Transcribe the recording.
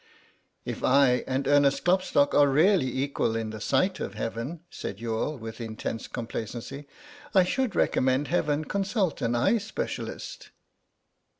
"If I and Ernest Klopstock are really equal in the sight of Heaven," said Youghal, with intense complacency, "I should recommend Heaven to consult an eye specialist."